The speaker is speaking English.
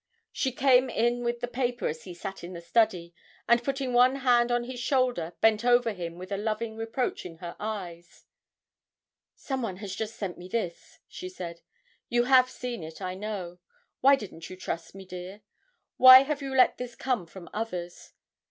She came in with the paper as he sat in his study, and putting one hand on his shoulder, bent over him with a loving reproach in her eyes: 'Someone has just sent me this,' she said; 'you have seen it I know. Why didn't you trust me, dear? Why have you let this come from others?